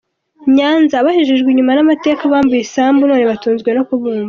Nyanza Abahejejwe inyuma n’amateka bambuwe isambu none batunzwe no kubumba